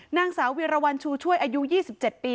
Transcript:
นางสาววิรวรรณชูช่วยอายุ๒๗ปี